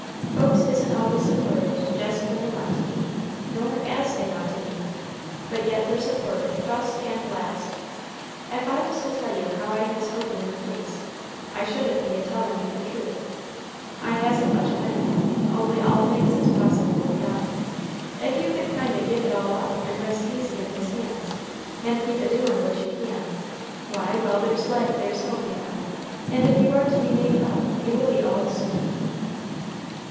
Folks isn't always supported jest when they want to be, nor as they want to be; but yet they're supported fust and last. Ef I was to tell you how as I has hope in your case, I shouldn't be a tellin' you the truth. I hasn't much of any; only all things is possible with God. If you could kind o' give it all up and rest easy in His hands, and keep a doin' what you can, why, while there's life there's hope, you know; and if you are to be made well, you will be all the sooner."